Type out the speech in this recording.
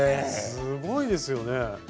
すごいですよね。